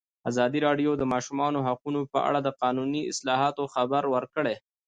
ازادي راډیو د د ماشومانو حقونه په اړه د قانوني اصلاحاتو خبر ورکړی.